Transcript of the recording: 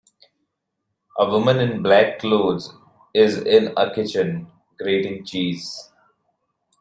A woman in black clothes is in a kitchen, grating cheese.